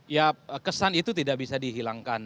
ya kesan itu tidak bisa dihilangkan